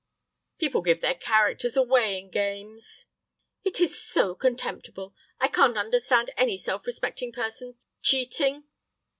"People give their characters away in games." "It is so contemptible. I can't understand any self respecting person cheating."